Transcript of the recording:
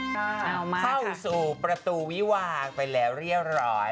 เข้าสู่ประตูวิวางไปแล้วเรียบร้อย